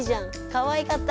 かわいかった！